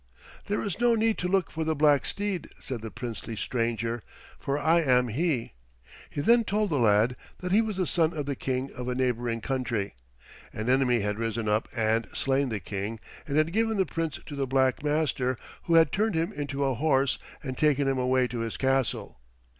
"There is no need to look for the black steed," said the princely stranger, "for I am he." He then told the lad that he was the son of the King of a neighboring country. An enemy had risen up and slain the King and had given the Prince to the black master who had turned him into a horse and taken him away to his castle.